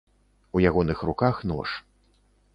У ягоных руках нож.